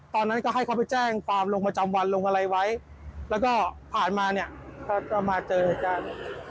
ตอนนั้นก็ให้เขาไปแจ้งความลงประจำวันลงอะไรไว้แล้วก็ผ่านมาเนี่ยก็มาเจอกัน